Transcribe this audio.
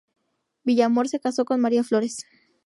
Villamor se casó con María Flores.